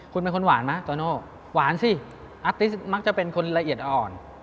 คุณเป็นคนหวานไหมโตโน่หวานสิอาร์ติสมักจะเป็นคนละเอียดอ่อน